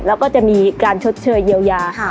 แล้วก็จะมีการชดเชยเยียวยา